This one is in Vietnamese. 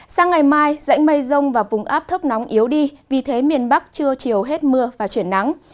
sang ngày mai rãnh mây rông và vùng áp thấp nóng yếu đi vì thế miền bắc chưa chiều hết mưa và chuyển nắng